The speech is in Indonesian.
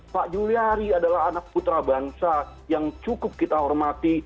pak juliari adalah anak putra bangsa yang cukup kita hormati